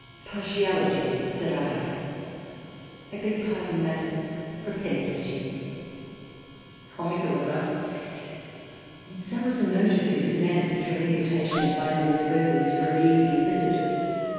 Partiality said I, — I beg pardon Madam, Propensity — Comical enough and so was a note of his in Answer to an invitation of mine and Miss Burney 's for an Evening Visit.